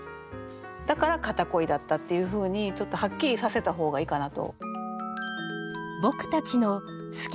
だから片恋だったっていうふうにちょっとはっきりさせた方がいいかなと。